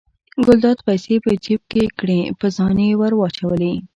ګلداد پیسې په جب کې کړې په ځان یې ور واچولې.